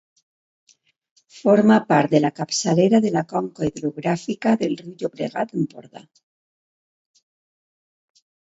Forma part de la capçalera de la conca hidrogràfica del riu Llobregat d'Empordà.